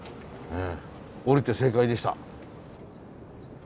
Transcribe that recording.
降りて正解でした。